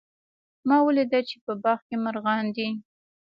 ما ولیدل چې په باغ کې مرغان دي